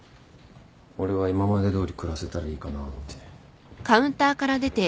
俺は今までどおり暮らせたらいいかなって。